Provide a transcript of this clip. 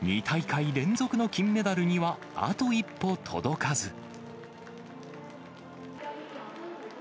２大会連続の金メダルには、あと一歩届かず。